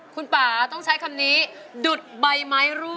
คุณป่าต้องใช้คำนี้ดุดใบไม้รั่ว